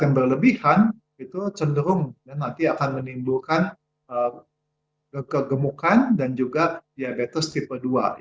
yang berlebihan itu cenderung nanti akan menimbulkan kegemukan dan juga diabetes tipe dua